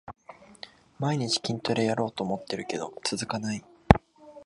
毎日筋トレやろうと思ってるけど続かない